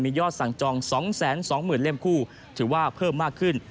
ยอดสั่งจอง๒๒๐๐๐เล่มคู่ถือว่าเพิ่มมากขึ้น